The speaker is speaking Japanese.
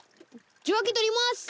受話器取ります。